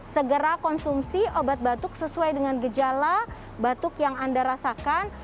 segera konsumsi obat batuk sesuai dengan gejala batuk yang anda rasakan